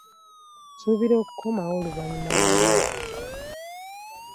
Nsubira okukomawo oluvannyuma lwemyezi essatu.